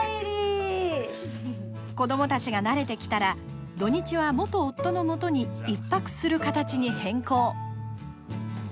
子どもたちが慣れてきたら土日は元夫のもとに１泊する形に変更。